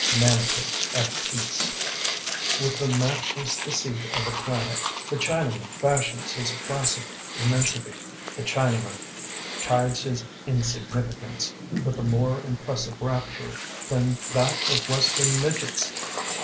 " Manikin at peace With the matchless deceit of a planet, The Chinaman fashions his placid immensity. The Chinaman chides his insignificance With a more impressive rapture Than that of western midgets.